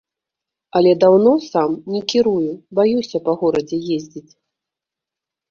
Але даўно сам не кірую, баюся па горадзе ездзіць.